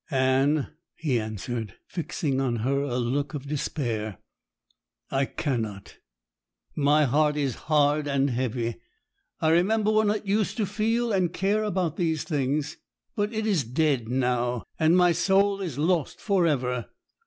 'Anne,' he answered, fixing on her a look of despair, 'I cannot. My heart is hard and heavy; I remember when it used to feel and care about these things; but it is dead now, and my soul is lost for ever.